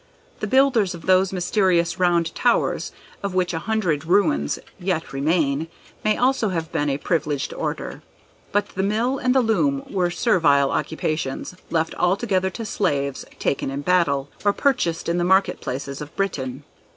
The builders of those mysterious round towers, of which a hundred ruins yet remain, may also have been a privileged order. But the mill and the loom were servile occupations, left altogether to slaves taken in battle, or purchased in the market places of Britain.